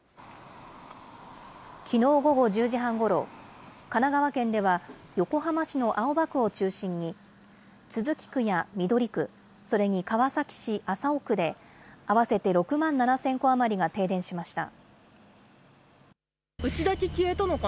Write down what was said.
きのう午後１０時半ごろ、神奈川県では横浜市の青葉区を中心に、都筑区や緑区、それに川崎市麻生区で、合わせて６万７０００戸余りが停電しました。